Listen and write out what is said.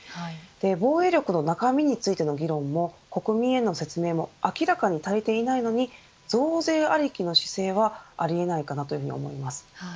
防衛力の中身についての議論も国民への説明も明らかに足りていないのに増税ありきの姿勢はありえないかなというふうに思います。